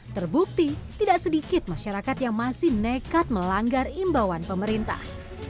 terbukti tidak sedikit masyarakat yang masih nekat melanggar imbauan pemerintah